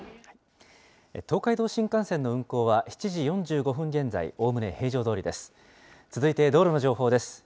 東海道新幹線の運行は、７時４５分現在、おおむね平常どおりです。